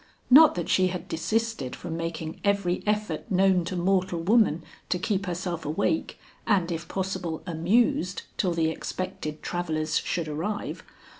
Not that she had desisted from making every effort known to mortal woman to keep herself awake and if possible amused till the expected travellers should arrive.